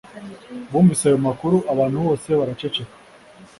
Bumvise ayo makuru, abantu bose baraceceka